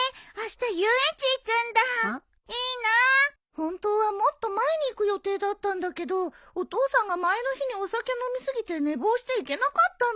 本当はもっと前に行く予定だったんだけどお父さんが前の日にお酒飲み過ぎて寝坊して行けなかったの。